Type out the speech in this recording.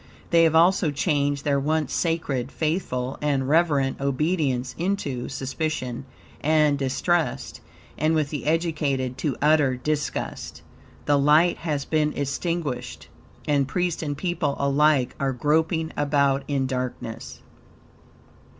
They have also changed their once sacred, faithful, and reverent, obedience into suspicion and distrust, and with the educated to utter disgust. The light has been extinguished, and priest and people alike are groping about in darkness.